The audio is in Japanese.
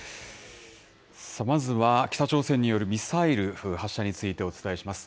まずは、北朝鮮によるミサイル発射についてお伝えします。